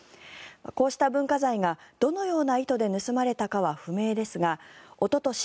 こうした文化財がどのような意図で盗まれたかは不明ですがおととし